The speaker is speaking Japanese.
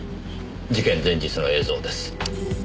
事件前日の映像です。